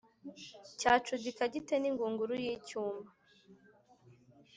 cyacudika gite n’ingunguru y’icyuma?